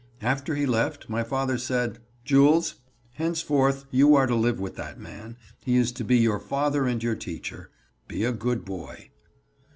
After he left my father said: "Jules, henceforth you are to live with that man. He is to be your father and your teacher. Be a good boy."